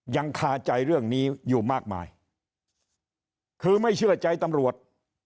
คาใจเรื่องนี้อยู่มากมายคือไม่เชื่อใจตำรวจ